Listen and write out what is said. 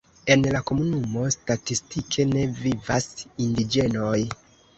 En la komunumo statistike ne vivas indiĝenoj.